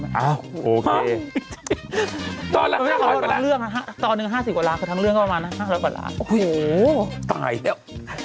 อ้าวโอเคตอนหนึ่ง๕๐กว่าลาคือทั้งเรื่องก็ประมาณ๕๐๐กว่าลาโอ้โฮตายแล้ว